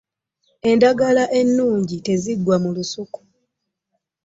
Endagala enungi teziggwa mu lusuksu .